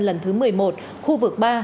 lần thứ một mươi một khu vực ba